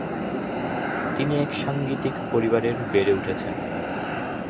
তিনি এক সাঙ্গীতিক পরিবারের বেড়ে উঠেছেন।